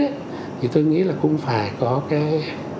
thì tôi nghĩ là cũng phải có cái